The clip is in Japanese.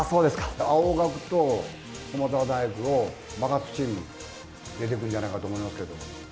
青学と駒澤大学を負かすチーム、出てくるんじゃないかと思いますけれども。